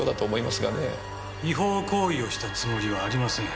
違法行為をしたつもりはありません。